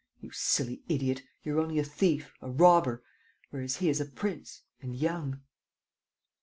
... You silly idiot, you're only a thief, a robber ... whereas he is a prince and young.